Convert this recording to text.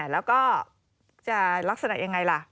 แล้วก็จะลักษณะยังไงล่ะ